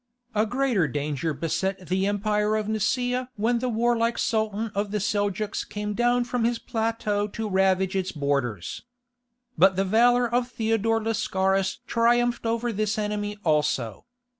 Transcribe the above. A greater danger beset the empire of Nicaea when the warlike sultan of the Seljouks came down from his plateau to ravage its borders. But the valour of Theodore Lascaris triumphed over this enemy also.